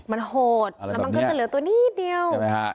มันโหดมันก็จะเหลือตัวนี้เดียว